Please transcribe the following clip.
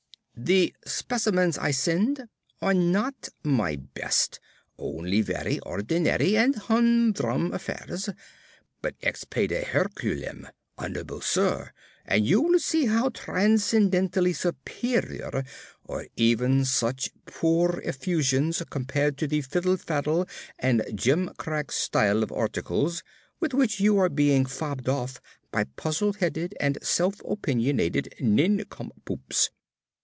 The specimens I send are not my best, only very ordinary and humdrum affairs but ex pede Herculem! Hon'ble Sir, and you will see how transcendentally superior are even such poor effusions compared to the fiddle faddle and gim crack style of article with which you are being fobbed off by puzzle headed and self opiniated nincompoops.